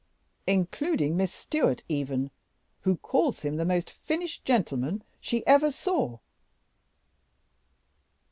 "Including Miss Stewart even, who calls him the most finished gentleman she ever saw."